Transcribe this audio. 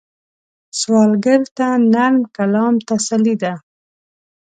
سوالګر ته نرم کلام تسلي ده